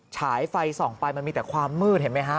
ฉายไฟส่องไปมันมีแต่ความมืดเห็นไหมฮะ